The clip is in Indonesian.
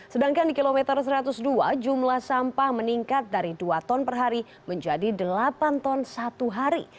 sedangkan di kilometer satu ratus dua jumlah sampah meningkat dari dua ton per hari menjadi delapan ton satu hari